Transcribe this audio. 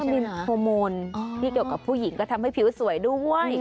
มีโฮโมนที่เกี่ยวกับผู้หญิงก็ทำให้ผิวสวยด้วย